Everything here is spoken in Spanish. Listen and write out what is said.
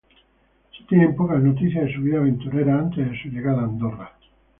Se tienen pocas noticias de su vida aventurera antes de su llegada a Andorra.